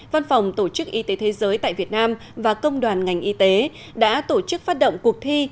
văn phòng tổ chức y tế thế giới tại việt nam và công đoàn ngành y tế đã tổ chức phát động cuộc thi